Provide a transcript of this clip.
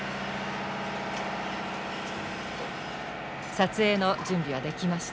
撮影の準備はできました。